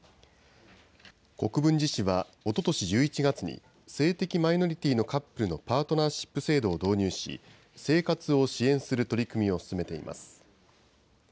国分寺市はおととし１１月に、性的マイノリティーのカップルのパートナーシップ制度を導入し、生活を支援する取り組みを進めています。